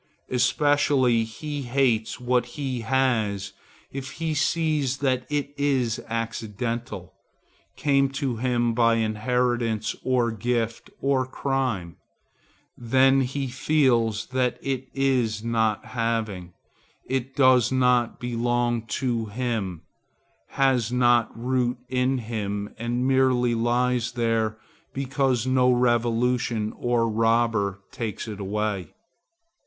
Especially he hates what he has if he see that it is accidental,—came to him by inheritance, or gift, or crime; then he feels that it is not having; it does not belong to him, has no root in him and merely lies there because no revolution or no robber takes it away.